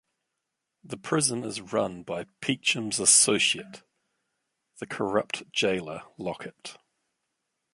The prison is run by Peachum's associate, the corrupt jailer Lockit.